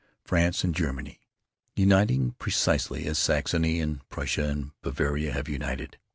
France and Germany uniting precisely as Saxony and Prussia and Bavaria have united.